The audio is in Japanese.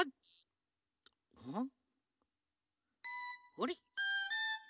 あれ？